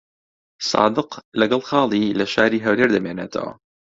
سادق لەگەڵ خاڵی لە شاری هەولێر دەمێنێتەوە.